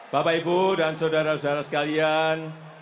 bapak ibu dan saudara saudara sekalian